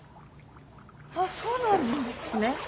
あっそうなんですね。